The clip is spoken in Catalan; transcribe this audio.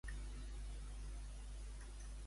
Com observa als nous banyistes?